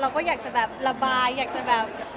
เราก็อยากจะแบบระบายอยากจะแบบ